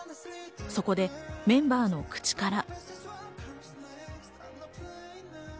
そこでメンバーの口から。